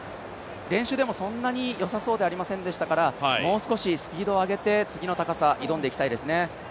練習でもそんなによさそうではありませんでしたから、もう少しスピードを上げて次の高さ、挑んでいきたいですね。